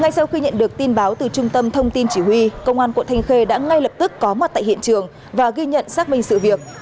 ngay sau khi nhận được tin báo từ trung tâm thông tin chỉ huy công an quận thanh khê đã ngay lập tức có mặt tại hiện trường và ghi nhận xác minh sự việc